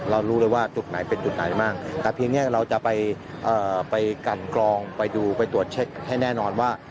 รู้เลยว่าจุดไหนเป็นจุดไหนบ้างแต่เพียงนี้เราจะไปกันกรองไปดูไปตรวจเช็คให้แน่นอนว่า